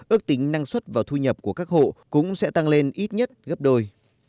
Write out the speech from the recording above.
ước tính năng suất và thu nhập của các hộ cũng sẽ tăng lên ít nhất gấp đôi